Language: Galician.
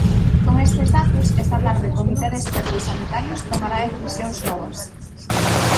Con estes datos, esta tarde o comité de expertos sanitarios tomará decisións novas.